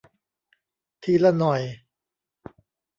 ทีละหน่อย